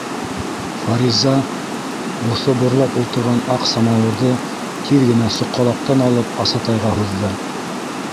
Фариза боҫо борлап ултырған аҡ самауырҙы тиҙ генә соҡалаҡтан алып Асатайға һуҙҙы.